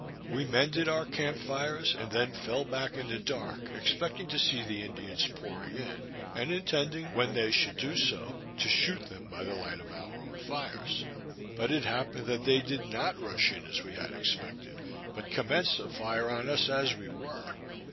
We mended up our camp fires, and then fell back in the dark, expecting to see the Indians pouring in; and intending, when they should do so, to shoot them by the light of our own fires. But it happened that they did not rush in as we had expected, but commenced a fire on us as we were.